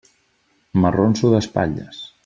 M'arronso d'espatlles.